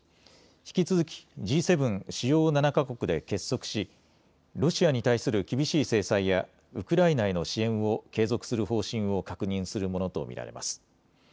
引き続きＧ７・主要７か国で結束しロシアに対する厳しい制裁やウクライナへの支援を継続する方針を確認するものと見られます。